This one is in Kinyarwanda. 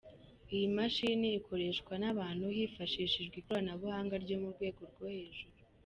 Iyi mashini ikoreshwa n’abantu hifashishijwe ikoranabuhanga ryo mu rwego rwo hejuru.